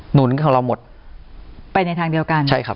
หนุนของเราหมดไปในทางเดียวกันใช่ครับ